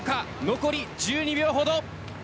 残り１２秒ほど。